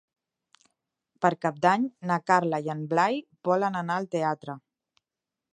Per Cap d'Any na Carla i en Blai volen anar al teatre.